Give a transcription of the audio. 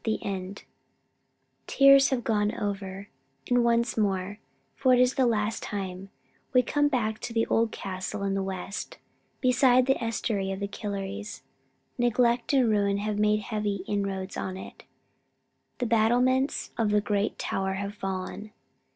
THE END Tears have gone over, and once more it is for the last time we come back to the old castle in the West, beside the estuary of the Killeries. Neglect and ruin have made heavy inroads on it. The battlements of the great tower have fallen.